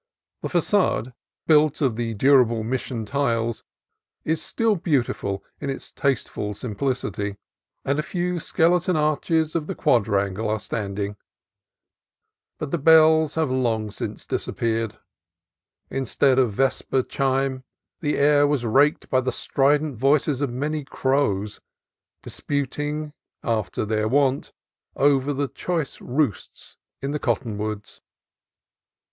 The facade, built of the durable Mission tiles, is still beautiful in its tasteful sim plicity, and a few skeleton arches of the quadrangle are standing; but the bells have long since disap peared. Instead of vesper chime, the air was raked by the strident voices of many crows, disputing, af ter their wont, over the choice roosts in the cotton woods.